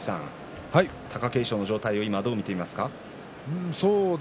貴景勝の状態どう見ていますか。